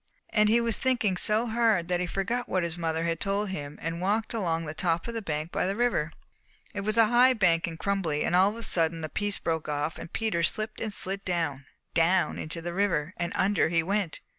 "And he was thinking so hard that he forgot what his mother had told him, and walked along the top of the bank by the river. It was a high bank and crumbly; and all of a sudden a piece broke off and Peter slipped and slid down, down into the river, and under he went.